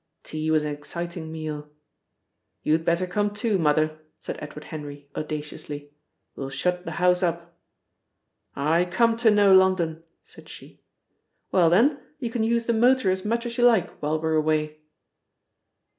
Tea was an exciting meal. "You'd better come too, Mother," said Edward Henry audaciously. "We'll shut the house up." "I come to no London," said she. "Well, then, you can use the motor as much as you like while we're away."